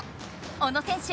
小野選手